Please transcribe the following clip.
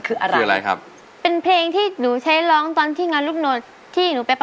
ผิดพลาดทางเทคนิคนิดหน่อย